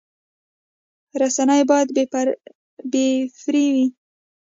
رسنۍ باید بې پرې وي